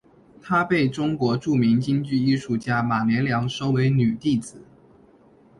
她被中国著名京剧艺术家马连良收为女弟子。